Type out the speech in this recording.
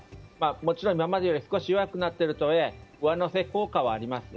もちろん今までよりは少し弱くなっているとはいえ上乗せ効果はあります。